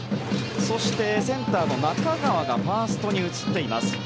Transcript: そして、センターの中川がファーストに移っています。